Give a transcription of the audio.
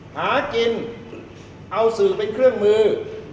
หากินเอาสื่อเป็นเครื่องมือ